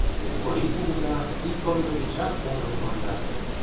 Корий кугыза ик комдо тичак поҥгым конда.